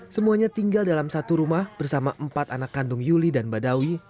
semuanya tinggal dalam satu rumah bersama empat anak kandung yuli dan badawi